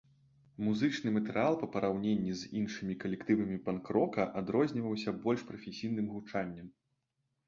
Музычны матэрыял па параўнанні з іншымі калектывамі панк-рока адрозніваўся больш прафесійным гучаннем.